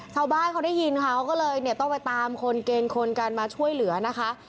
ชาวบ้านเขาได้ยินเขาก็เลยเนี่ยต้องไปตามคนเกณฑ์คนกันมาช่วยเหลือนะคะ